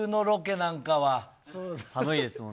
寒いですもんね。